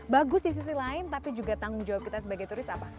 bagus di sisi lain tapi juga tanggung jawab kita sebagai turis apa